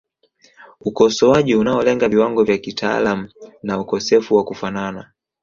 Ukosoaji unaolenga viwango vya kitaalamu na ukosefu wa kufanana